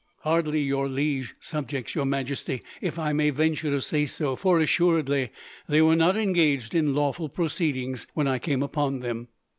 "Hardly your liege subjects, Your Majesty, if I may venture to say so; for, assuredly, they were not engaged in lawful proceedings, when I came upon them."